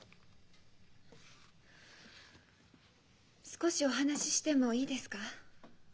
少しお話ししてもいいですか？